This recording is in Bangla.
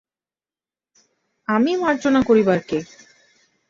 আমি মার্জনা করিবার কে?